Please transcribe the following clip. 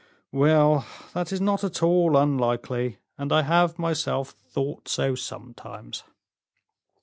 "Well, that is not at all unlikely, and I have myself thought so sometimes."